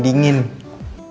aku mau ke rumah